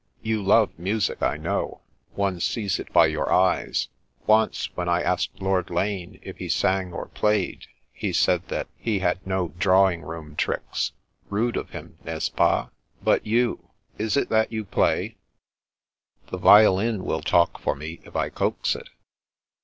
You love music, I know. One sees it by your eyes. Once, when I asked Lord Lane if he sang or played, he said that he 'had no drawing room tricks.' Rude of him, n'est ce pasf But you ? Is it that you play ?"" The violin will talk for me, if I coax it."